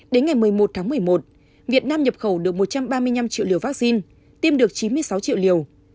đến ngày một mươi một tháng một mươi một việt nam nhập khẩu được một trăm ba mươi năm triệu liều vaccine tiêm được chín mươi sáu triệu liều